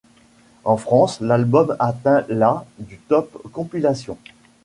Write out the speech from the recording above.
En France l'album atteint la du Top Compilations.